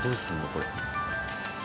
これ。